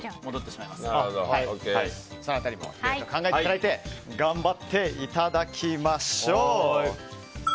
その辺りもいろいろ考えていただいて頑張っていただきましょう！